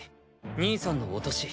兄さんの落とし。